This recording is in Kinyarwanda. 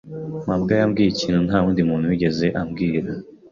mabwa yambwiye ikintu ntawundi muntu wigeze ambwira.